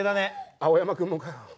青山君もかよ。